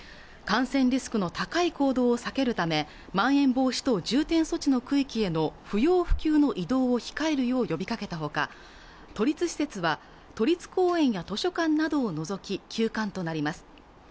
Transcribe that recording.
感染リスクの高い行動を避けるためまん延防止等重点措置の区域への不要不急の移動を控えるよう呼びかけたほか都立施設は都立公園や図書館などを除き休館となります